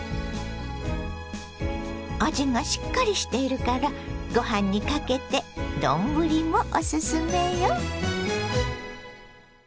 味がしっかりしているからごはんにかけて丼もオススメよ。